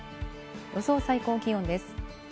予想最高気温です。